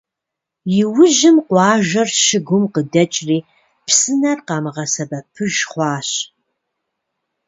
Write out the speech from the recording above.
Иужьым, къуажэр щыгум къыдэкӏри, псынэр къамыгъэсэбэпыж хъуащ.